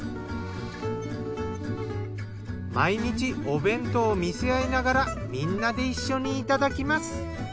毎日お弁当を見せ合いながらみんなで一緒にいただきます。